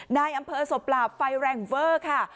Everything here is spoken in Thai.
นายอำเภอศพปราบไฟแรงเวอร์ค่ะ